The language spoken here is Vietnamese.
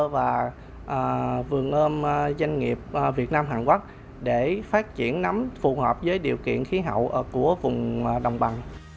và vườn ươm doanh nghiệp việt nam hàn quốc để phát triển nấm phù hợp với điều kiện khí hậu của vùng đồng bằng